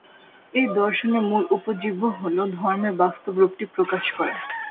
এই দর্শনের মূল উপজীব্য হল ধর্মের বাস্তব রূপটি প্রকাশ করা।